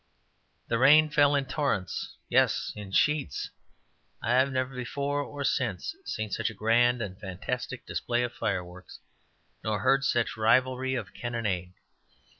The rain fell in torrents, yes, in sheets. I have never, before or since, seen such a grand and fantastic display of fireworks, nor heard such rivalry of cannonade.